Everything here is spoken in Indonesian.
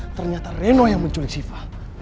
ternyata reno yang menculik siva